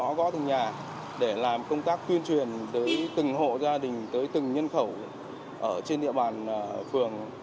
đi từ ngõ có từ nhà để làm công tác tuyên truyền tới từng hộ gia đình tới từng nhân khẩu ở trên địa bàn phường